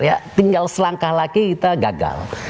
ya tinggal selangkah lagi kita gagal